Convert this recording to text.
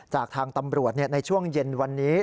จากทางตำรวจในช่วงเย็นวันนี้